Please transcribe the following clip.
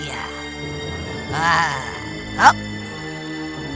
sekarang aku akan merubahmu menjadi basir